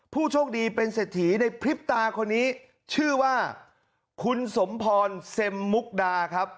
ผู้โชคดีเป็นเศรษฐีในพริบตาคนนี้ชื่อว่าคุณสมพรเซ็มมุกดาครับ